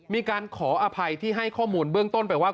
มีการขออภัยที่ให้ข้อมูลเบื้องต้นไปว่า